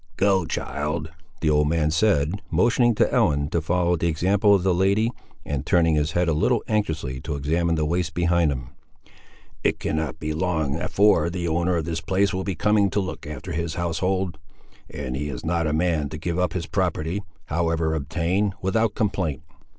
"Go, child," the old man said, motioning to Ellen to follow the example of the lady, and turning his head a little anxiously to examine the waste behind him. "It cannot be long afore the owner of this place will be coming to look after his household; and he is not a man to give up his property, however obtained, without complaint!"